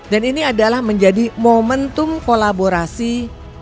dan ini adalah menjadi momentum kolaborasi di kawasan